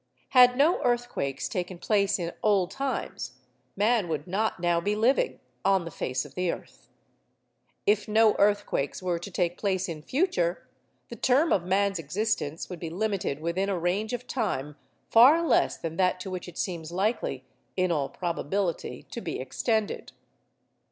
Had no earthquakes taken place in old times, man would not now be living on the face of the earth; if no earthquakes were to take place in future, the term of man's existence would be limited within a range of time far less than that to which it seems likely, in all probability, to be extended.